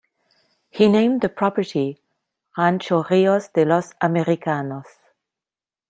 He named the property "Rancho Rio de los Americanos".